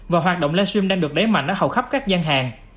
và hoạt động live stream đang được đáy mạnh ở hầu khắp các gian hàng